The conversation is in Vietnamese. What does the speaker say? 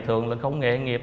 thường là không nghề nghiệp